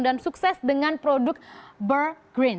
dan sukses dengan produk burg green